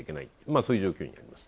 そういう状況にあります。